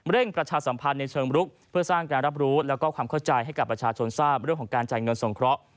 ประชาสัมพันธ์ในเชิงรุกเพื่อสร้างการรับรู้แล้วก็ความเข้าใจให้กับประชาชนทราบเรื่องของการจ่ายเงินสงเคราะห์